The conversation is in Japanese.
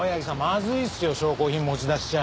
まずいっすよ証拠品持ち出しちゃ。